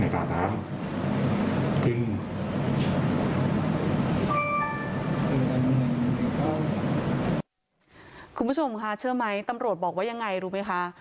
คุณผู้ชมค่ะเชื่อไหมตำรวจบอกว่ายังไงรู้ไหมคะ